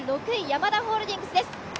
ヤマダホールディングスです。